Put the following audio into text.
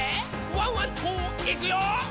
ワンワンといくよ」